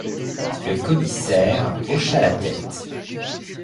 Le commissaire hocha la tête.